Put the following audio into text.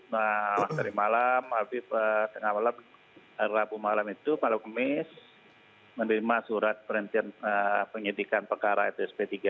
nah hari malam habib tengah malam hari rabu malam itu malam gemis menerima surat perhentian penyidikan perkara fsp tiga